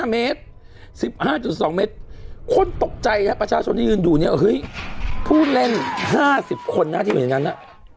๑๕เมตร๑๕๒เมตรคนตกใจนะประชาชนที่ยืนดูเนี่ยพูดเล่น๕๐คนนะที่เห็นงานน่ะ